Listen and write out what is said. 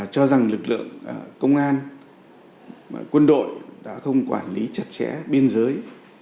cho rằng lực lượng công an quân đội đã không quản lý chặt chẽ biên giới